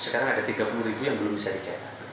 karena ktp sekarang ada tiga puluh ribu yang belum bisa dijaga